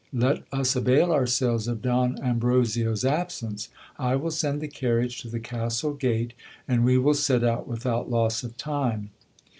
Let us avail ourselves of Don Ambrosio's absence. I will send the carriage to the castle gate, and we will set out without loss of time.